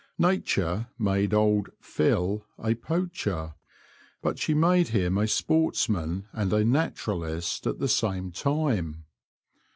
Nature made old " Phil " a Poacher, but she made him a Sportsman and a Naturalist at the same time.